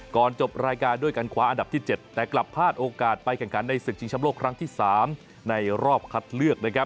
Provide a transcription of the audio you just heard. ก่อนจบรายการด้วยกันขวาอันดับที่๗แต่กลับพลาดโอกาสไปกันกันในศึกชิงชำโลกครั้งที่๓ในรอบคัดเลือก